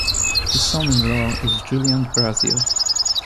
His son-in-law is Julian Brazier.